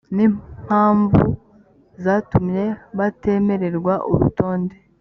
n impamvu zatumye batemererwa urutonde